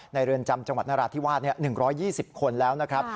เรือนจำจังหวัดนราธิวาส๑๒๐คนแล้วนะครับ